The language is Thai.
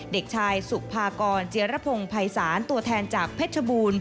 เด็กชายสุภากรเจียรพงศ์ภัยศาลตัวแทนจากเพชรบูรณ์